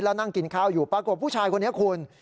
แล้วนั่งกินข้าวอยู่ปรากฏผู้ชายคนนี้คุณ